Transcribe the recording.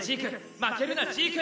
負けるなジーク！